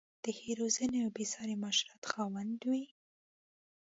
د ښې روزنې او بې ساري معاشرت خاوند وې.